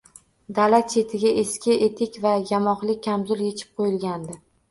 Dala chetiga eski etik va yamoqli kamzul yechib qoʻyilgandi